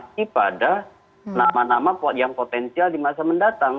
masih pada nama nama yang potensial di masa mendatang